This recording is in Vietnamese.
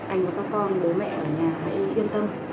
anh và các con bố mẹ ở nhà hãy yên tâm